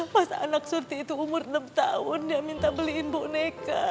pas anak suti itu umur enam tahun dia minta beliin boneka